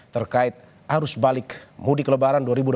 terkait arus balik mudik lebaran dua ribu dua puluh